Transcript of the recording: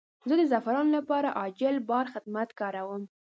زه د زعفرانو لپاره عاجل بار خدمت کاروم.